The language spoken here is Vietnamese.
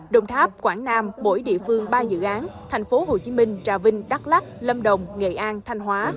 đồng tháp quảng nam mỗi địa phương ba dự án tp hcm trà vinh đắk lắc lâm đồng nghệ an thanh hóa